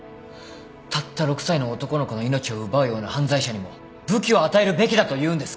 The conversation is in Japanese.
たった６歳の男の子の命を奪うような犯罪者にも武器を与えるべきだというんですか？